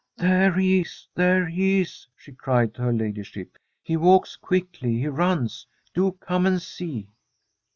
' There he is ! there he is !' she cried to her ladyship. ' He walks quickly ! he runs ! Do come and see